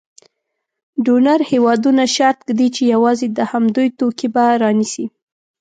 ډونر هېوادونه شرط ږدي چې یوازې د همدوی توکي به رانیسي.